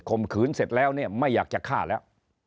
มขืนเสร็จแล้วเนี่ยไม่อยากจะฆ่าแล้ว